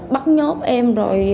bắt nhốt em